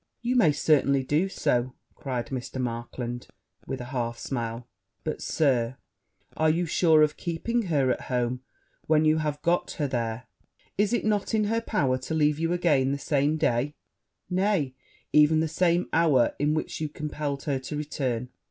'You may certainly do so,' cried Mr. Markland, with a half smile; 'but, Sir, are you sure of keeping her at home when you have got her there? Is it not in her power to leave you again the same day, nay, even the same hour, in which you compelled her to return?